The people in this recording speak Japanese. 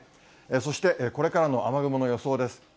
そして、これからの雨雲の予想です。